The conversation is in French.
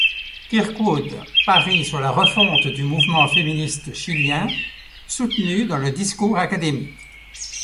Kirkwood parie sur la refonte du mouvement féministe chilien soutenu dans le discours académique.